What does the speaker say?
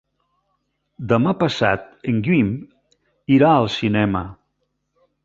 Demà passat en Guim irà al cinema.